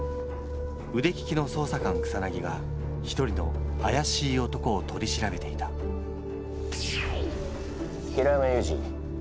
腕利きの捜査官草が一人の怪しい男を取り調べていた平山ユージ